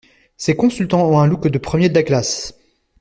Ces consultants ont un look de premiers de la classe.